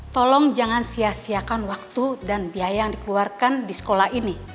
tolong jangan sia siakan waktu dan biaya yang dikeluarkan di sekolah ini